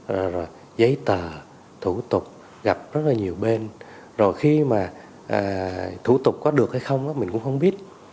rồi giấy tờ thủ tục gặp rất là nhiều bên rồi khi mà thủ tục có được hay không mình cũng không biết